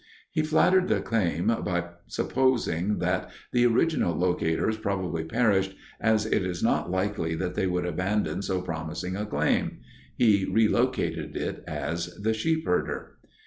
He flattered the claim by supposing that "the original locators probably perished, as it is not likely that they would abandon so promising a claim"; he relocated it as the "Sheepherder."